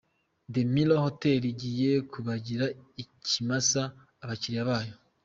The Mirror Hotel igiye kubagira ikimasa abakiriya bayo.